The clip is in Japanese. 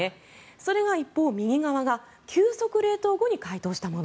それが一方、右側が急速冷凍後に解凍したもの。